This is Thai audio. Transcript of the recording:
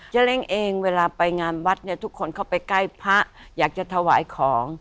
เล้งเองเวลาไปงานวัดเนี่ยทุกคนเข้าไปใกล้พระอยากจะถวายของ